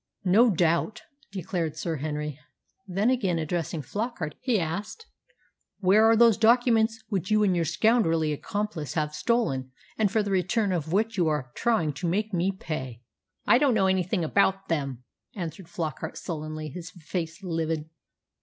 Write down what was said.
"No doubt," declared Sir Henry. Then, again addressing Flockart, he asked, "Where are those documents which you and your scoundrelly accomplice have stolen, and for the return of which you are trying to make me pay?" "I don't know anything about them," answered Flockart sullenly, his face livid.